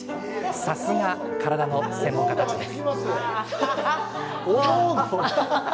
さすが体の専門家たちです。